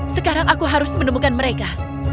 sekarang aku harus menemukan mereka